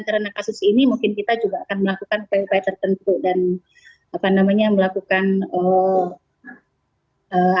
karena kasus ini mungkin kita juga akan melakukan upaya upaya tertentu dan apa namanya melakukan